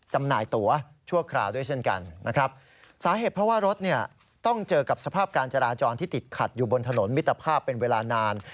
จำหน่ายตัวชั่วคราวด้วยเช่นกันนะครับสาเหตุเพราะว่ารถเนี่ยต้องเจอกับสภาพการจราจรที่ติดขัดอยู่บนถนนมิตรภาพเป็นเวลานาน